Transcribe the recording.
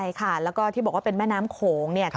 ใช่ค่ะแล้วก็ที่บอกว่าเป็นแม่น้ำโขงเนี่ย